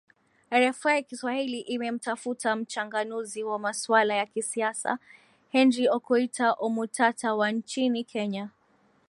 rfi kiswahili imemtafuta mchanganuzi wa masuala ya kisiasa henry okoita omutata wa nchini kenya